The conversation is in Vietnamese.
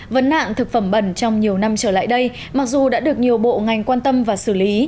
vấn nạn thực phẩm bẩn trong nhiều năm trở lại đây mặc dù đã được nhiều bộ ngành quan tâm và xử lý